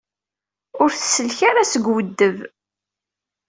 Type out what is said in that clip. Ur tsellek ara seg uweddeb.